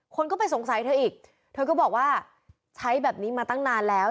คนก็ไปสงสัยเธออีกเธอก็บอกว่าใช้แบบนี้มาตั้งนานแล้ว